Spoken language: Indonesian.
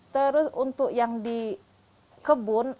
terus untuk yang di kebun